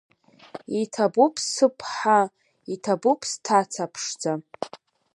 Иҭабуп сыԥҳа, иҭабуп сҭаца ԥшӡа!